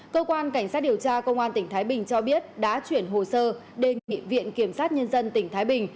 cơ quan cảnh sát điều tra công an tỉnh thái bình cho biết đã chuyển hồ sơ đề nghị viện kiểm sát nhân dân tỉnh thái bình